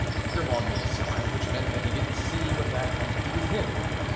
Grimaud made a sign which meant that he didn't see what that had to do with him.